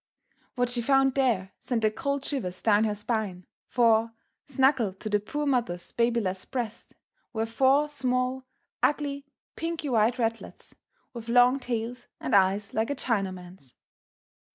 What she found there sent the cold shivers down her spine, for, snuggled to the poor mother's babyless breasts, were four small, ugly, pinky white ratlets, with long tails and eyes like a Chinaman's.